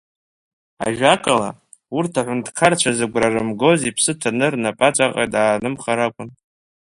Ажәакала, урҭ аҳәынҭқарцәа зыгәра рымгоз иԥсы ҭаны рнапаҵаҟа даанымхар акәын.